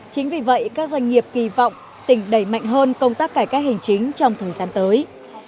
chính vì vậy các doanh nghiệp kỳ vọng tỉnh đẩy mạnh hơn công tác cải cách hành chính trong thời gian tới